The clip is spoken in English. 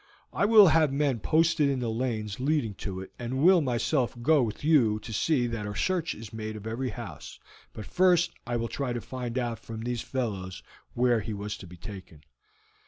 I will have men posted in the lanes leading to it, and will myself go with you to see that a search is made of every house; but first I will try to find out from these fellows where he was to be taken.